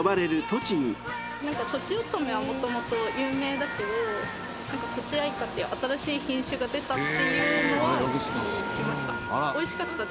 とちおとめはもともと有名だけどとちあいかっていう新しい品種が出たっていうのは聞きました。